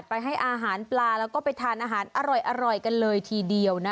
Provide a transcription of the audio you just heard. ไปให้อาหารปลาแล้วก็ไปทานอาหารอร่อยกันเลยทีเดียวนะ